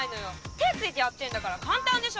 手ぇついてやってんだから簡単でしょ？